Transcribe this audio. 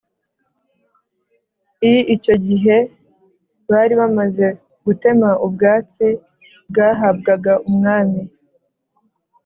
i Icyo gihe bari bamaze gutema ubwatsi bwahabwaga umwami